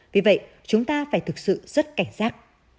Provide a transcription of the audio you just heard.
vì vậy chúng ta phải thực sự rất cảnh giác